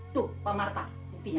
tuh pak marta buktinya